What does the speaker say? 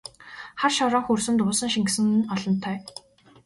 Хар шороон хөрсөнд уусан шингэсэн нь олонтой!